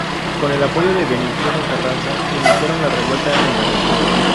Con el apoyo de Venustiano Carranza iniciaron la revuelta en la región.